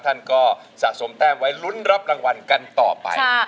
ท่านก็สะสมแต้มไว้ลุ้นรับรางวัลกันต่อไป